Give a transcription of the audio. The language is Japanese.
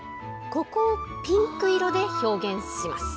ここをピンク色で表現します。